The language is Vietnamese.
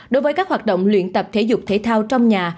đối với các hoạt động luyện tập thể dục thể thao trong nhà